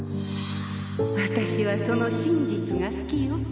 私はその真実が好きよ